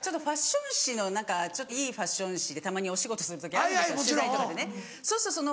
ファッション誌のちょっといいファッション誌でたまにお仕事する時あるんですよ